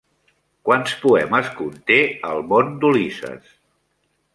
Quants poemes conté el Món d'Ulisses?